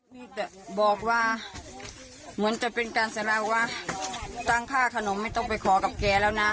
มีแต่บอกว่าเหมือนจะเป็นการสารวะตั้งค่าขนมไม่ต้องไปขอกับแกแล้วนะ